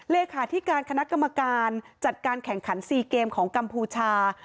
เลขาธิการคณะกรรมการจัดการแข่งขัน๔เกมของกัมพูชา